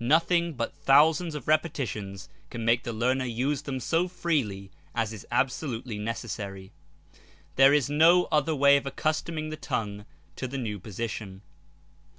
Nothing but thousands of repetitions can make the learner use them so freely as is absolutely neces sary. There is no other way of accustoming the tongue to the new position.